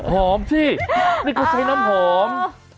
หอมที่นี่เขาใช้น้ำหอม